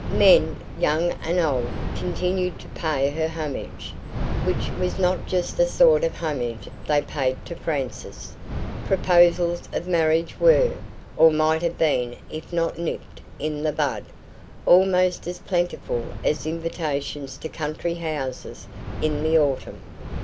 Men, young and old, continued to pay her homage, which was not just the sort of homage they paid to Frances; proposals of marriage were, or might have been if not nipped in the bud, almost as plentiful as invitations to country houses in the autumn.